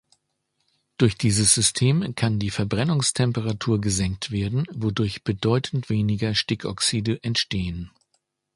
Durch dieses System kann die Verbrennungstemperatur gesenkt werden, wodurch bedeutend weniger Stickoxide entstehen.